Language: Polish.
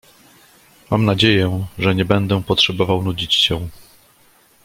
"Mam nadzieję, że nie będę potrzebował nudzić cię."